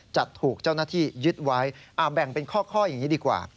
จะถูกเจ้าหน้าที่ยึดไว้แบ่งเป็นข้ออย่างนี้ดีกว่า